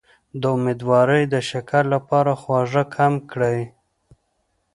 د امیدوارۍ د شکر لپاره خواږه کم کړئ